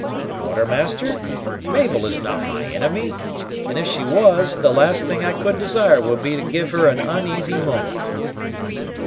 "Quartermaster, Mabel is not my inimy; and if she was, the last thing I could desire would be to give her an uneasy moment."